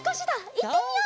いってみよう！